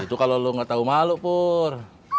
itu kalau lo nggak tahu malu pur